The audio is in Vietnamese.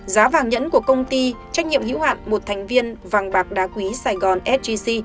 giá vàng nhẫn của công ty trách nhiệm hữu hạn một thành viên vàng bạc đá quý sài gòn sgc